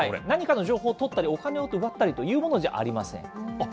何かの情報をとったり、お金を奪ったりというものじゃありま